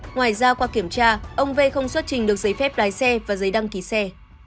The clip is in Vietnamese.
ngoài ra qua kiểm tra ông v không xuất trình được giấy phép lái xe và giấy đăng ký xe